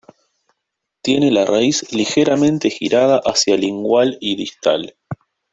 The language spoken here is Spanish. Tiene la raíz ligeramente girada hacia lingual y distal.